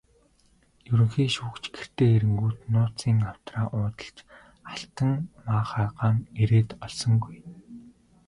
Ерөнхий шүүгч гэртээ ирэнгүүт нууцын авдраа уудалж алтан маахайгаа эрээд олсонгүй.